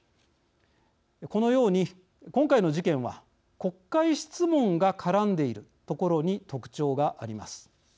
このように、今回の事件は国会質問が絡んでいるところに特徴があります。